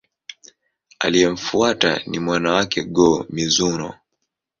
Aliyemfuata ni mwana wake, Go-Mizunoo.